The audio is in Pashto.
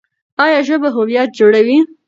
ایا ژبه هویت جوړوي؟